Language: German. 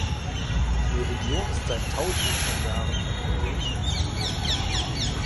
Die Region ist seit Tausenden von Jahren von Aborigines bewohnt.